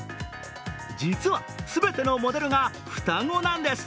実は、全てのモデルが双子なんです